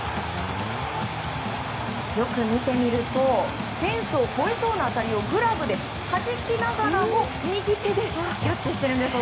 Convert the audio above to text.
よく見てみるとフェンスを越えそうな当たりをグラブではじきながらも右手でキャッチしているんです。